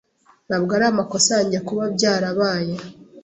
Ntabwo ari amakosa yanjye kuba byarabaye.